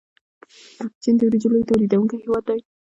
چین د وریجو لوی تولیدونکی هیواد دی.